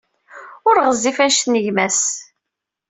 Ur ɣezzif anect n gma-s.